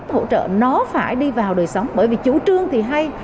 hỗ trợ nó phải đi vào đời sống bởi vì chủ trương thì hay